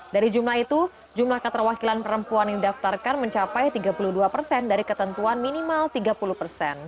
dari jumlah itu jumlah keterwakilan perempuan yang didaftarkan mencapai tiga puluh dua persen dari ketentuan minimal tiga puluh persen